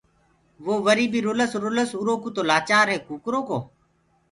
وو وري بي رُلس رُلس اُرو ڪوُ تو لآلچ رهي ڪُڪرو ڪو۔